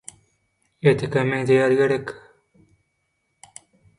Ertekä meňzeýär gerek?